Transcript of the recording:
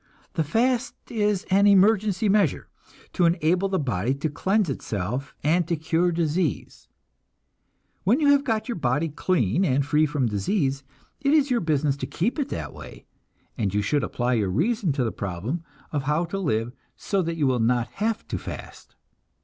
The fast is an emergency measure, to enable the body to cleanse itself and to cure disease. When you have got your body clean and free from disease, it is your business to keep it that way, and you should apply your reason to the problem of how to live so that you will not have to fast.